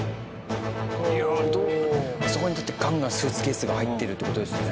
あそこにだってガンガンスーツケースが入ってるっていう事ですよね。